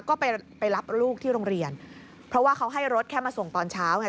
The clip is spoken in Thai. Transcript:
ก็ไปไปรับลูกที่โรงเรียนเพราะว่าเขาให้รถแค่มาส่งตอนเช้าไง